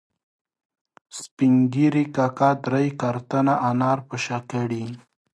سپین ږیري کاکا درې کارتنه انار په شا کړي